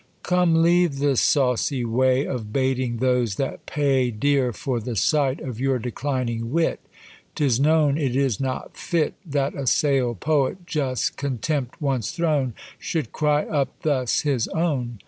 Come leave this sawcy way Of baiting those that pay Dear for the sight of your declining wit: 'Tis known it is not fit That a sale poet, just contempt once thrown, Should cry up thus his own.